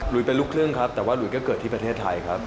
เป็นลูกครึ่งครับแต่ว่าหลุยก็เกิดที่ประเทศไทยครับ